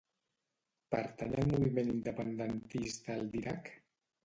Pertany al moviment independentista el Didac?